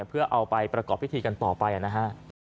เพื่อเอาไปประกอบพิธีกันต่อไปนะฮะ